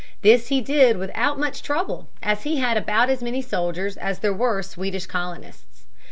This he did without much trouble, as he had about as many soldiers as there were Swedish colonists.